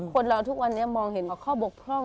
คนเราทุกวันนี้มองเห็นว่าข้อบกพร่อง